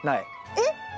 えっ！